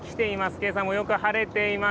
けさもよく晴れています。